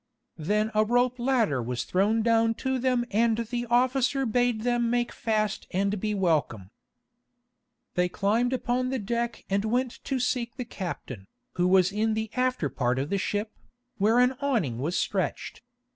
Then a rope ladder was thrown down to them and the officer bade them make fast and be welcome. They climbed upon the deck and went to seek the captain, who was in the afterpart of the ship, where an awning was stretched.